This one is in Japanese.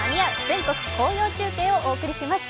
全国紅葉中継」をお送りします。